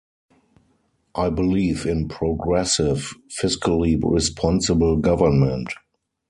I believe in progressive, fiscally responsible government.